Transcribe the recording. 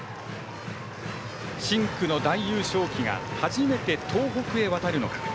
深紅の大優勝旗が初めて東北へ渡るのか。